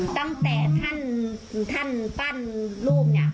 ตั้งแต่ท่านปั้นรูปเนี่ย